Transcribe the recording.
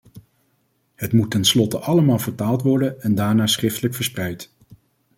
Het moet tenslotte allemaal vertaald worden en daarna schriftelijk verspreid.